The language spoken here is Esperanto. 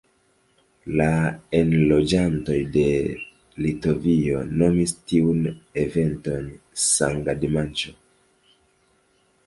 La enloĝantoj de Litovio nomis tiun eventon "Sanga Dimanĉo".